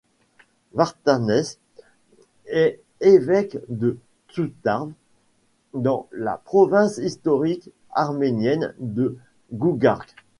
Vertanès est évêque de Tsourtav, dans la province historique arménienne de Gougark.